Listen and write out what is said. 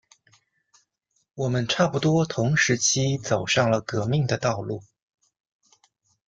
我们差不多同时期走上了革命的道路。